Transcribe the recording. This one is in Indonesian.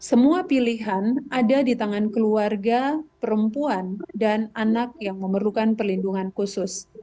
semua pilihan ada di tangan keluarga perempuan dan anak yang memerlukan perlindungan khusus